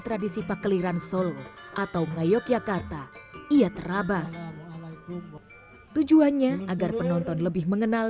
tradisi pakliran solo atau ngayok yakarta ia terabas tujuannya agar penonton lebih mengenal